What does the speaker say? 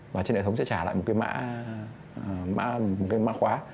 và trên hệ thống sẽ trả lại một cái mã khóa